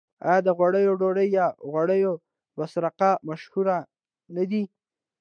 آیا د غوړیو ډوډۍ یا غوړي بسراق مشهور نه دي؟